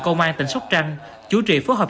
công an tỉnh sóc tranh chủ trì phối hợp